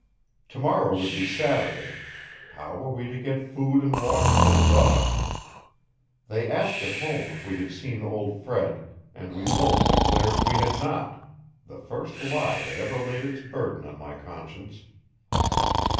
Tomorrow would be Saturday; how were we to get food and water to the dog? They asked at home if we had seen old Fred and we both declared we had not the first lie that ever laid its burden on my conscience.